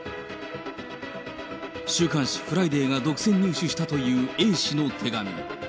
週刊誌、ＦＲＩＤＡＹが独占入手したというＡ氏の手紙。